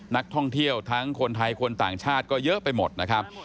นักท่องเที่ยวทั้งคนไทยคนต่างชาติก็เยอะไปหมดนะครับ